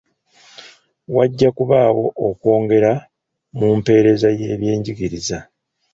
Wajja kubaawo okwongera mu mpeereza y'ebyenjigiriza.